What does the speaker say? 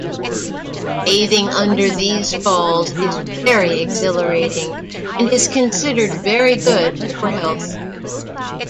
Bathing under these falls is very exhilarating and is considered very good for health.